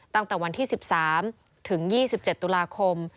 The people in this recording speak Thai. ตั้งแต่วันที่๑๓ถึง๒๗ตุลาคม